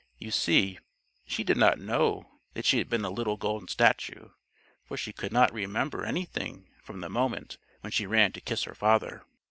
You see she did not know that she had been a little golden statue, for she could not remember anything from the moment when she ran to kiss her father.